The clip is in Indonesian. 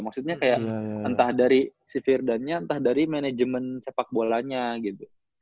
maksudnya kayak entah dari si virdannya entah dari manajemen sepak bolanya gitu